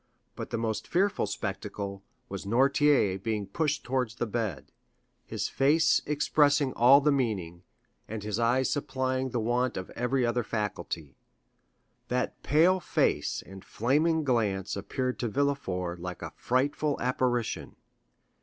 But the most fearful spectacle was Noirtier being pushed towards the bed, his face expressing all his meaning, and his eyes supplying the want of every other faculty. That pale face and flaming glance appeared to Villefort like a frightful apparition.